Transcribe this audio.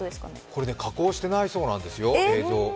これ加工してないそうなんですよ映像。